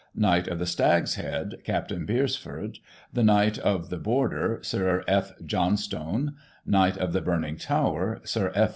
Knight of the Stag's Head, Capt. Beresford ; The Knight of the Border, Sir F. Johnstone ; Knight of the Burning Tower, SiR F.